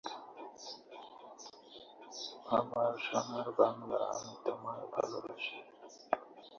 মাঝারিসারির আক্রমণধর্মী ব্যাটসম্যানের ভূমিকায় অবতীর্ণ হয়েছিলেন শন ডেভিস।